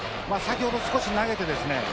先ほど少し投げてですね